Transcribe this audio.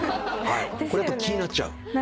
これやっぱ気になっちゃう？